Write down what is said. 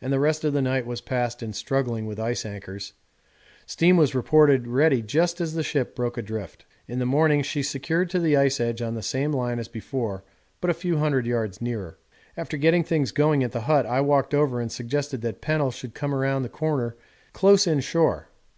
and the rest of the night was passed in struggling with ice anchors; steam was reported ready just as the ship broke adrift. In the morning she secured to the ice edge on the same line as before but a few hundred yards nearer. After getting things going at the hut, I walked over and suggested that Pennell should come round the corner close in shore.